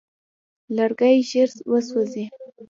لرګی ژر وسوځي.